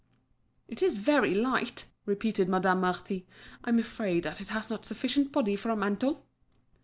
"It is very light," repeated Madame Marty. "I'm afraid that it has not sufficient body for a mantle."